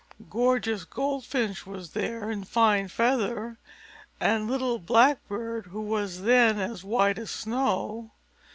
Gorgeous Goldfinch was there, in fine feather; and little Blackbird, who was then as white as snow.